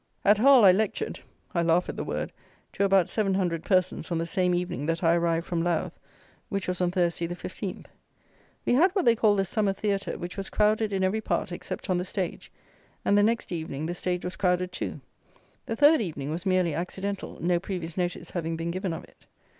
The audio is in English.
At Hull I lectured (I laugh at the word) to about seven hundred persons on the same evening that I arrived from Louth, which was on Thursday the 15th. We had what they call the summer theatre, which was crowded in every part except on the stage; and the next evening the stage was crowded too. The third evening was merely accidental, no previous notice having been given of it.